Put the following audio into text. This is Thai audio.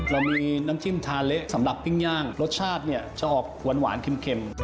เรามีน้ำจิ้มทาเละสำหรับปิ้งย่างรสชาติเนี่ยจะออกหวานเค็ม